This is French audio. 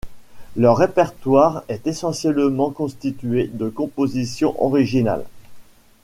Leur répertoire est essentiellement constitué de compositions originales.